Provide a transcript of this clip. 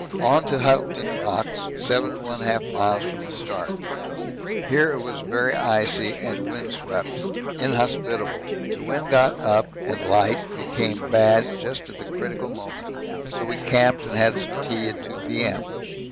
On to Hulton Rocks 7 1/2 miles from the start here it was very icy and wind swept, inhospitable the wind got up and light became bad just at the critical moment, so we camped and had some tea at 2 P.M.